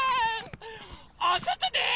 おそとで。